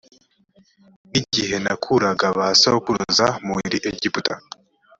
n igihe nakuraga ba sokuruza muri egiputa